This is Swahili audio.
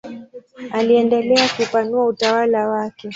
Aliendelea kupanua utawala wake.